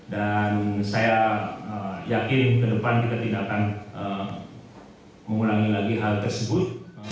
dan saya yakin ke depan kita tidak akan mengulangi lagi hal tersebut